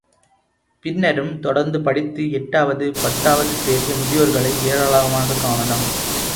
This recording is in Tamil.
பின்னரும் தொடர்ந்து படித்து எட்டாவது, பத்தாவது தேறிய முதியோர்களை ஏராளமாகக் காணலாம்.